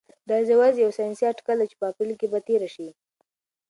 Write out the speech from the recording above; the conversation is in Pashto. دا یوازې یو ساینسي اټکل دی چې په اپریل کې به تیره شي.